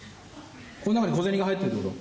この中に小銭が入ってるって事？